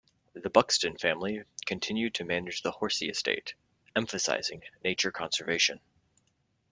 The Buxton family continue to manage the Horsey estate, emphasising nature conservation.